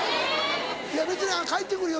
いや別に帰ってくるよ